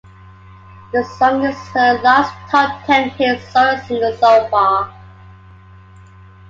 The song is her last top-ten hit solo single so far.